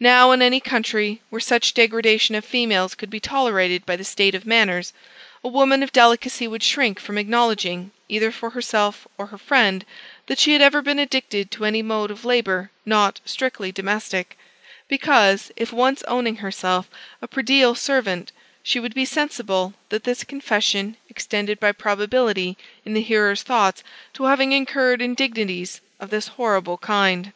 Now, in any country, where such degradation of females could be tolerated by the state of manners, a woman of delicacy would shrink from acknowledging, either for herself or her friend, that she had ever been addicted to any mode of labor not strictly domestic; because, if once owning herself a prædial servant, she would be sensible that this confession extended by probability in the hearer's thoughts to having incurred indignities of this horrible kind.